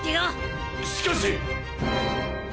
しかし。